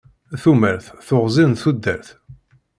Tumert d teɣzi n tudert.